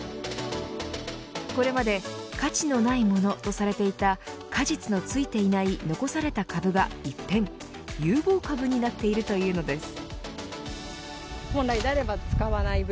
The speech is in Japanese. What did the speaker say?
これまで価値のないものとされていた果実のついていない残された株が一変有望株になっているというのです。